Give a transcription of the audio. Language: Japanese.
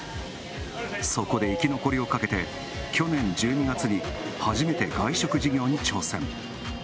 そこで生き残りをかけて去年１２月に初めて外食事業に挑戦。